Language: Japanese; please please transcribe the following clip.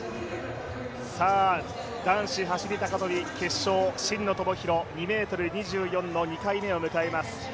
男子走高跳決勝、真野友博、２ｍ２４の２回目を迎えます。